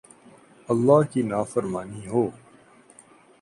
، اللہ کی نافرمانی ہو